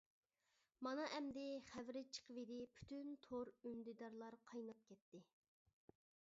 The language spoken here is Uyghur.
مانا ئەمدى خەۋىرى چىقىۋىدى پۈتۈن تور، ئۈندىدارلار قايناپ كەتتى.